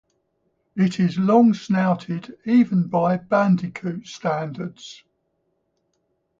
It is long-snouted even by bandicoot standards.